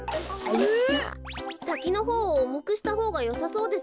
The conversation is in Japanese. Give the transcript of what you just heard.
さきのほうをおもくしたほうがよさそうですね。